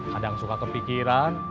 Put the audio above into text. kadang suka kepikiran